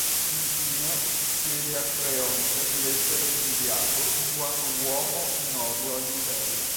Infine chiede a Creonte di essere esiliato in quanto uomo in odio agli dei.